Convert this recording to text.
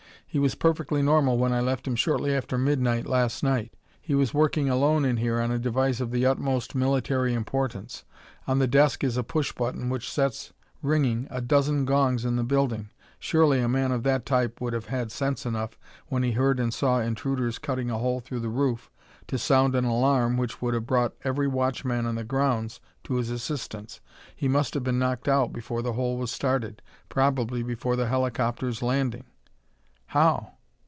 He was perfectly normal when I left him shortly after midnight last night. He was working alone in here on a device of the utmost military importance. On the desk is a push button which sets ringing a dozen gongs in the building. Surely a man of that type would have had sense enough when he heard and saw intruders cutting a hole through the roof to sound an alarm which would have brought every watchman on the grounds to his assistance. He must have been knocked out before the hole was started, probably before the helicopter's landing." "How?